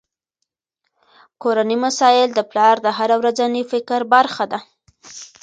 کورني مسایل د پلار د هره ورځني فکر برخه ده.